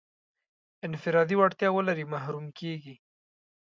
انفرادي وړتیا ولري محروم کېږي.